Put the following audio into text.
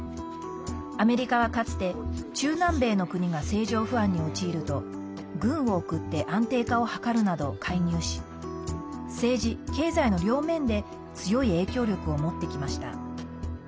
アメリカは、かつて中南米の国が政情不安に陥ると軍を送って安定化を図るなど、介入し政治、経済の両面で強い影響力を持ってきました。